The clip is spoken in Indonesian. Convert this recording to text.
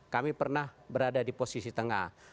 kami pernah berada di posisi tengah